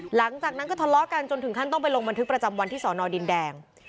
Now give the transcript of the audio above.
หลังจากนั้นก็ทะเลาะกันจนถึงขั้นต้องไปลงบันทึกประจำวันที่สอนอดินแดง